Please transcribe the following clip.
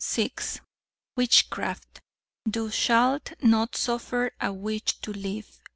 "Witchcraft. 'Thou shalt not suffer a witch to live.'